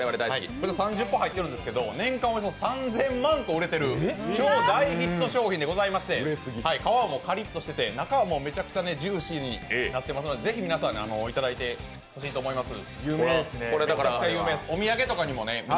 ３０個入っているんですけど年間およそ３０００万個売れている超大ヒット商品でございまして、皮もカリッとしてて中はめちゃくちゃジューシーになっていますので、ぜひ皆さんいただいてほしいと思います。